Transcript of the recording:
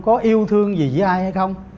có yêu thương gì với ai hay không